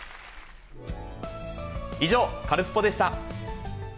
以上、カルスポっ！でした。